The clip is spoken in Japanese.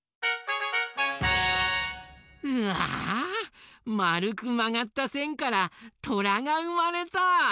うわまるくまがったせんからトラがうまれた！